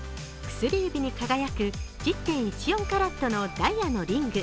薬指に輝く１０．１４カラッとのダイヤのリング。